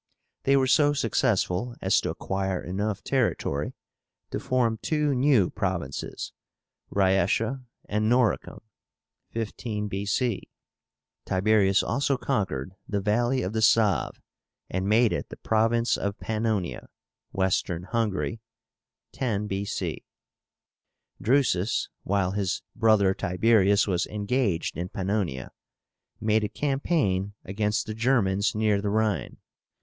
They were so successful as to acquire enough territory to form two new provinces, Rhaetia and Noricum (15 B.C.). Tiberius also conquered the valley of the Save, and made it the province of Pannonia (Western Hungary), 10 B.C. Drusus, while his brother Tiberius was engaged in Pannonia, made a campaign against the Germans near the Rhine.